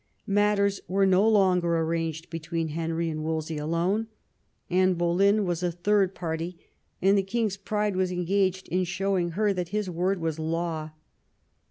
Matters were no longer arranged between Henry and Wolsey alone ; Anne Boleyn was a third party, and the king's pride was engaged in showing her that his word was law.